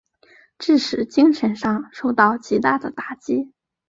致使精神上受到极大的打击。